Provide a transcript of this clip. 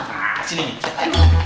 nah sini nih